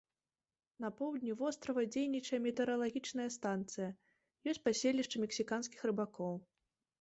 На поўдні вострава дзейнічае метэаралагічная станцыя, ёсць паселішча мексіканскіх рыбакоў.